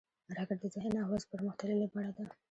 راکټ د ذهن او وس پرمختللې بڼه ده